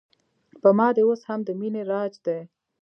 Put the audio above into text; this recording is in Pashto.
په ما دې اوس هم د مینې راج دی